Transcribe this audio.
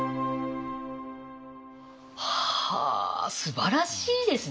はあすばらしいですね。